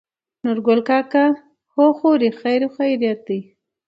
نورګل کاکا: هو خورې خېرخېرت دى.